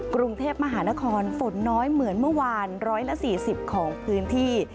กรุงเทพมหานครฝนน้อยเหมือนเมื่อวาน๑๔๐ของพื้นที่